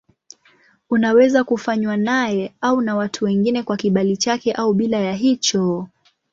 Unaweza kufanywa naye au na watu wengine kwa kibali chake au bila ya hicho.